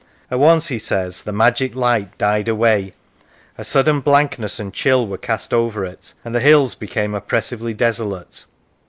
At once, he says, the magic light died away, a sudden blank ness and chill were cast over it, and the hills became oppressively desolate.